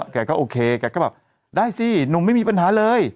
แกก็โอเคแกก็แบบได้สิหนุ่มไม่มีปัญหาเลย